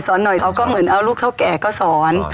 หน่อยเขาก็เหมือนเอาลูกเท่าแก่ก็สอน